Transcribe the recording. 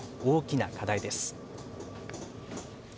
大きな課題です。